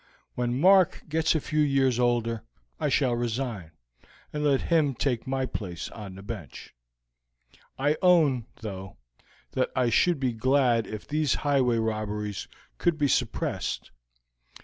When Mark gets a few years older I shall resign, and let him take my place on the bench. I own, though, that I should be glad if these highway robberies could be suppressed.